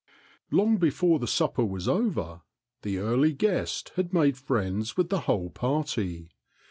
Long before the supper was over, the early guest had made friends with the whole party.